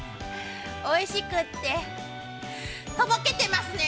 ◆おいしくって、とぼけてますね。